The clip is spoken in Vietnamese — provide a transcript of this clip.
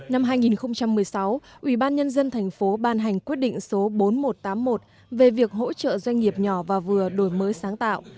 năm hai nghìn một mươi sáu ủy ban nhân dân thành phố ban hành quyết định số bốn nghìn một trăm tám mươi một về việc hỗ trợ doanh nghiệp nhỏ và vừa đổi mới sáng tạo